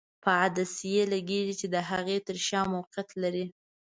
په عدسیې لګیږي چې د هغې تر شا موقعیت لري.